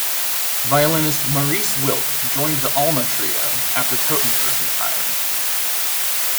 Violinist Maurice Wilk joined the Alma Trio after Totenberg retired.